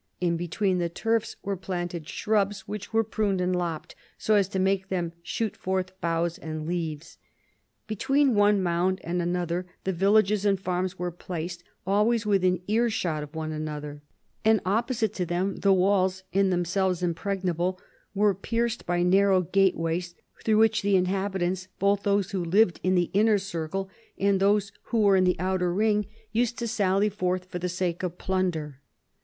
In between the turfs were planted shrubs which were pruned and lopped, so as to make them shoot forth boughs and leaves. Between one mound and another the villages and farms were placed, always within earshot of one another ; and opposite to them the walls (in themselves impregnable) were pierced by narrow gateways, through which the inhabitants, both those who lived in the inner circle and those who were in the outer ring, used to sally forth for the sake of plunder.